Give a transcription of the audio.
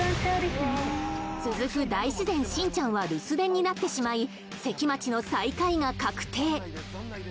続く大自然しんちゃんは留守電になってしまい関町の最下位が確定